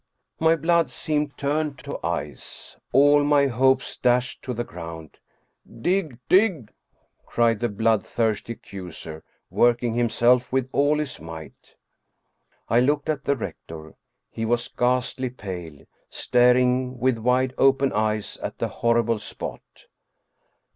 My blood seemed turned to ice. All my hopes dashed to the ground. "Dig ! Dig !" cried the bloodthirsty ac accuser, working himself with all his might. I looked at the rector. He was ghastly pale, staring with wide open eyes at the horrible spot.